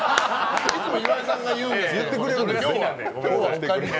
いつも岩井さんが言うんですけど。